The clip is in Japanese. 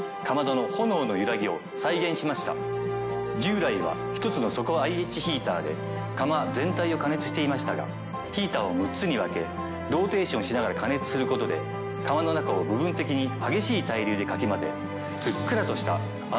従来は１つの底ＩＨヒーターで釜全体を加熱していましたがヒーターを６つに分けローテーションしながら加熱することで釜の中を部分的に激しい対流でかき混ぜ。